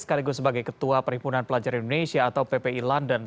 sekaligus sebagai ketua perhimpunan pelajar indonesia atau ppi london